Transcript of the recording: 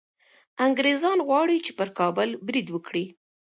انګریزان غواړي چي پر کابل برید وکړي.